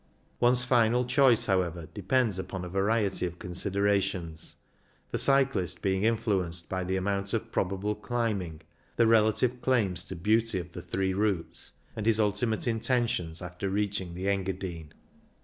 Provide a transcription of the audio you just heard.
One's final choice, however, depends upon a variety of considerations, the cyclist being in fluenced by the amount of probable climb ing, the relative claims to beauty of the three routes, and his ultimate intentions after reaching the Engadine.